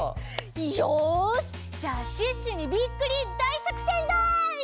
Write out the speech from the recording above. よしじゃあシュッシュにビックリだいさくせんだい！